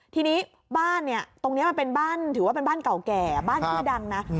ทีนี้บ้านเนี่ยตรงนี้มันเป็นบ้านถือว่าเป็นบ้านเก่าแก่บ้านชื่อดังนะ